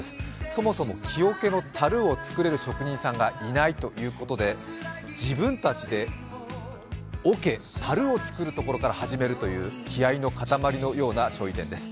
そもそも木おけのたるを作れる職人さんがいないということで自分たちでおけ、たるを作るところから始まるという気合いの塊のようなしょうゆ店です。